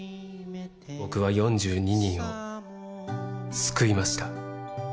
僕は４２人を救いました。